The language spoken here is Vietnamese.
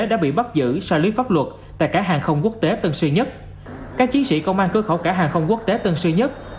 nhiều trường hợp xuất nhập cả hàng không quốc tế tân sư nhất